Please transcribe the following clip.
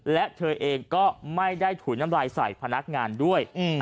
และเธอเองก็ไม่ได้ถุยน้ำลายใส่พนักงานด้วย